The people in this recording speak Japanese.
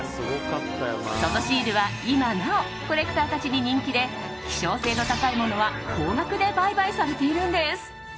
そのシールは今なおコレクターたちに人気で希少性の高いものは高額で売買されているんです。